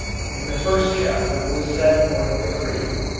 In the first chapter was set forth the creed.